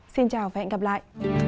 xin chào và hẹn gặp lại